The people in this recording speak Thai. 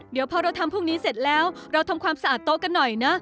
เดี๋ยวพอเราทำพวกนี้เสร็จแล้วเราทำความสะอาดโต๊ะกันหน่อยนะ